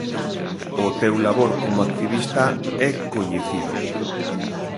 O teu labor como activista é coñecido.